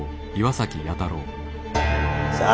さあ。